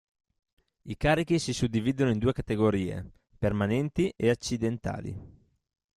I carichi si suddividono in due categorie: permanenti e accidentali.